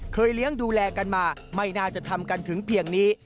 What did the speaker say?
เลี้ยงดูแลกันมาไม่น่าจะทำกันถึงเพียงนี้